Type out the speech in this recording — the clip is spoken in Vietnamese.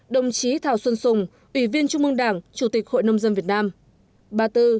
ba mươi ba đồng chí thảo xuân sùng ủy viên trung mương đảng chủ tịch hội nông dân việt nam